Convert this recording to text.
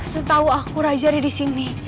setahu aku raja ada di sini